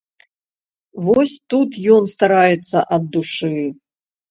Вось тут ён стараецца ад душы.